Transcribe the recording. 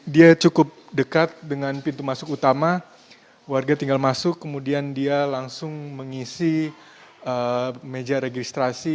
dia cukup dekat dengan pintu masuk utama warga tinggal masuk kemudian dia langsung mengisi meja registrasi